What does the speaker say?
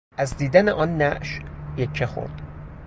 از دیدن آن نعش یکه خورد.